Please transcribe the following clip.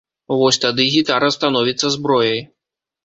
Вось тады гітара становіцца зброяй.